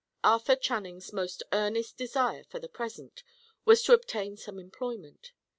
Arthur Channing's most earnest desire, for the present, was to obtain some employment.